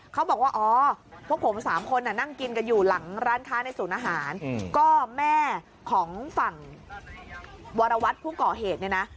เขาบอกว่าอ๋อพวกผมสามคนนั่งกินกันอยู่หลังร้านค้าในศูนย์อาหารก็แม่ของฝั่งวรวัตรผู้ก่อเหตุเนี่ยนะ